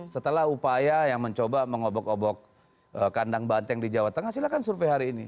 setelah upaya yang mencoba mengobok obok kandang banteng di jawa tengah silahkan survei hari ini